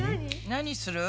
何する？